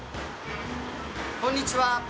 こんにちは。